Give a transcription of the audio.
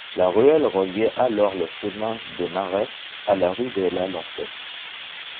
La ruelle reliait alors le chemin des Marais à la rue de la Lancette.